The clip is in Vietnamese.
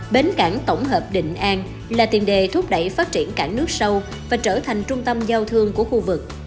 bến cảng tổng hợp định an là tiền đề thúc đẩy phát triển cảng nước sâu và trở thành trung tâm giao thương của khu vực